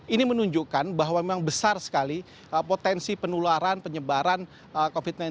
ini menunjukkan bahwa memang besar sekali potensi penularan penyebaran covid sembilan belas